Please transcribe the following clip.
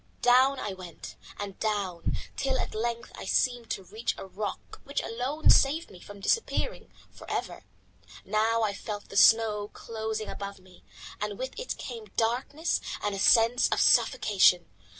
Down I went, and down, till at length I seemed to reach a rock which alone saved me from disappearing for ever. Now I felt the snow closing above me and with it came darkness and a sense of suffocation.